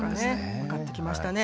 分かってきましたね。